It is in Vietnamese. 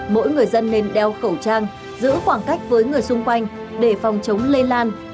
mỗi người dân nên đeo khẩu trang giữ khoảng cách với người xung quanh để phòng chống lây lan